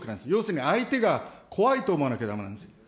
要するに相手が怖いと思わなきゃだめなんです。